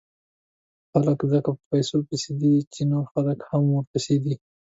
خلک ځکه په پیسو پسې دي، چې نور خلک هم ورپسې دي.